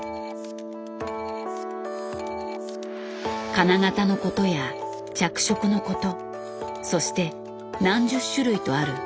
金型のことや着色のことそして何十種類とある素材のこと。